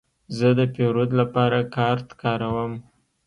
زه د پیرود لپاره کارت کاروم.